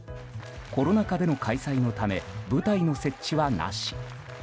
コロナ禍での開催のため舞台の設置はなし。